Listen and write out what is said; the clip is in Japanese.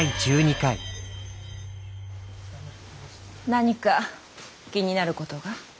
何か気になることが？